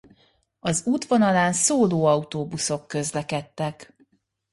Az útvonalán szóló autóbuszok közlekedtek.